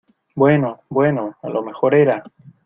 bueno, bueno , a lo mejor era